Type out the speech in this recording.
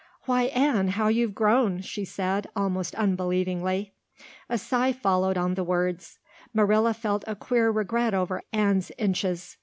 "Why, Anne, how you've grown!" she said, almost unbelievingly. A sigh followed on the words. Marilla felt a queer regret over Anne's inches.